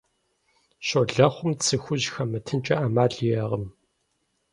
Щолэхъум цы хужь хэмытынкӀэ Ӏэмал иӀэкъым.